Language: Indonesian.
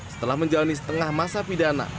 setelah menjalani setengah masa pidana